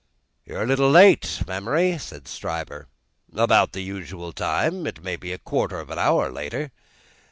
"You are a little late, Memory," said Stryver. "About the usual time; it may be a quarter of an hour later."